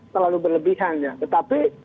terlalu berlebihan ya tetapi